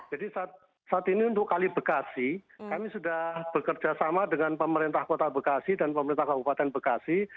saat ini untuk kali bekasi kami sudah bekerja sama dengan pemerintah kota bekasi dan pemerintah kabupaten bekasi